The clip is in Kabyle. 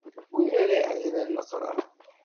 Wi ara iɛedlen leqrar.